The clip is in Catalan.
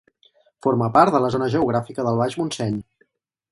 Forma part de la zona geogràfica del Baix Montseny.